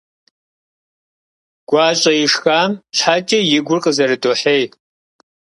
ГуащӀэ ишхам щхьэкӀэ и гур къызэрыдохьей.